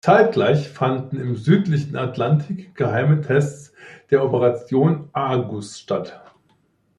Zeitgleich fanden im südlichen Atlantik geheime Tests der Operation Argus statt.